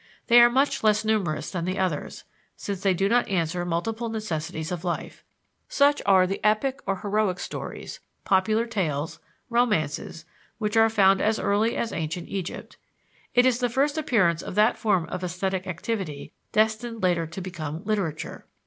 They are much less numerous than the others, since they do not answer multiple necessities of life. Such are the epic or heroic stories, popular tales, romances (which are found as early as ancient Egypt): it is the first appearance of that form of esthetic activity destined later to become literature.